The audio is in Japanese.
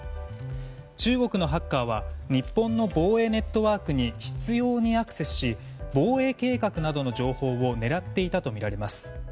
中国のハッカーは日本の防衛ネットワークに執拗にアクセスし防衛計画などの情報を狙っていたとみられます。